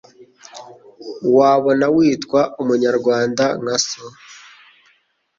wabona witwa Umunyarwanda nka so